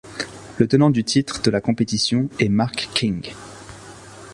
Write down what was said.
Le tenant du titre de la compétition est Mark King.